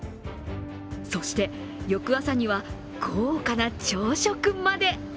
そして、翌朝には豪華な朝食まで。